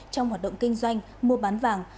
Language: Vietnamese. trong hoạt động kinh doanh mua bán vàng